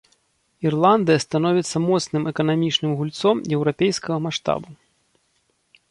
Ірландыя становіцца моцным эканамічным гульцом еўрапейскага маштабу.